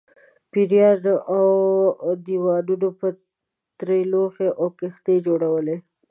پېریانو او دیوانو به ترې لوښي او کښتۍ جوړولې.